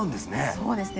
そうですね。